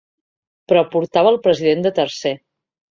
Però portava el president de tercer.